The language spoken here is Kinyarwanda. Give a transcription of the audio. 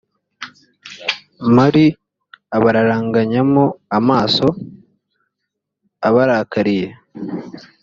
mr abararanganyamo amaso abarakariye